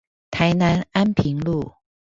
台南安平路